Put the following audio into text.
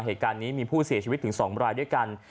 เหตุการณ์นี้มีผู้เสียชีวิตถึง๒รายด้วยกัน